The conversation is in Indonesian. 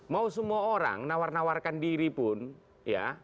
mau semua orang nawar nawarkan diri pun ya